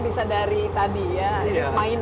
bisa dari tadi ya mainan itu